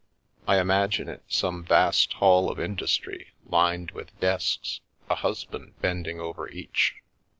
I imagine it some vast hall of industry, lined with desks, a husband bending over each."